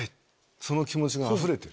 その気持ちがあふれてる。